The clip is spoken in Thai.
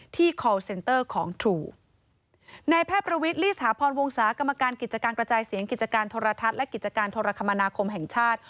ธรรมการกิจการกระจายเสียงกิจการทรทัศน์และกิจการทรคมนาคมแห่งชาติ